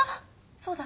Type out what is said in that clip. そうだ。